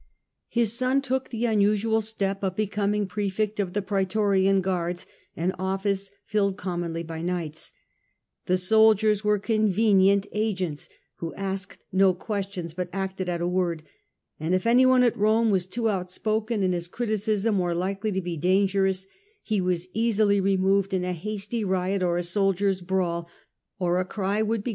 His son took the unusual step of becoming praefect of the praetorian guards, an office filled commonly by knights. The soldiers were convenient agents, who asked no questions but acted at a word; and if anyone at Rome was too outspoken in his criticism or likely to be dangerous, he was easily removed in a hasty riot or a soldiers' brawl, or a cry could be got up in the theatre or in the camp and the traitor's head be called for.